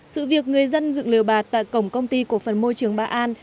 sự việc người dân dựng lừa bạt tại cổng công ty của phần môi trường ba an